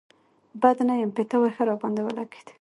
بد نه يم، پيتاوی ښه راباندې ولګېد.